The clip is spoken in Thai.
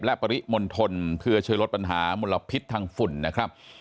และปริมณฑลเพื่อช่วยลดปัญหามลพิษทางฝุ่นนะครับ